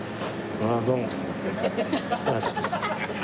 ああどうも。